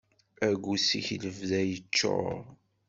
Aggus-ik lebda yeččur.